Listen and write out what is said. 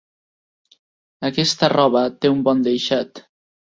Aquesta roba té un bon deixat.